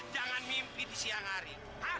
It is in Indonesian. jangan mimpi di siang hari